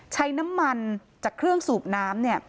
ใช้น้ำมันจากเครื่องสูบน้ำเนี่ย